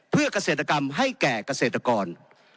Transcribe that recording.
เพื่อเกษตรกรรมให้แก่เกษตรกร